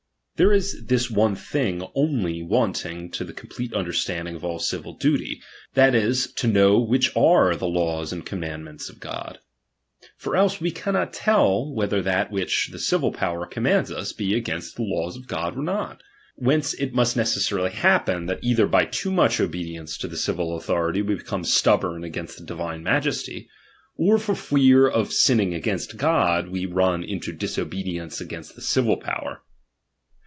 There is this one thing only wanting to the com plete understanding of all ci^'il duty, and that is, to know which are the laws and commandments of God. For else we caimot tell whether that which the civil power commands ns, be against the laws of Godj or not ; whence it must necessarily hap pen, that either by too much obedience to the civil authority we become stubborn against the divine Majesty ; or for fear of sinning against God we run into disobedience against the civil power.